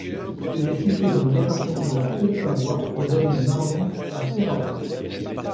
Il est situé dans le département de la Haute-Savoie et relie Marlens à Serraval.